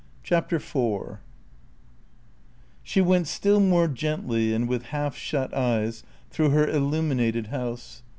CHAPTER FOUR She went still more gently and with half shut eyes through her illuminated house.